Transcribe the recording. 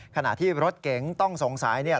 ขณะที่รถเก๋งต้องสงสัยเนี่ย